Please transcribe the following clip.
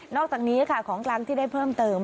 อกจากนี้ค่ะของกลางที่ได้เพิ่มเติม